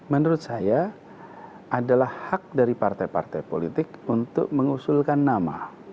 menurut saya adalah hak dari partai partai politik untuk mengusulkan nama